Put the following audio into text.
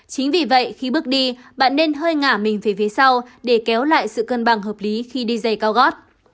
chính vì vậy khi bước đi bạn nên hơi ngả mình về phía sau để kéo lại sự cân bằng hợp lý khi đi dày cao gót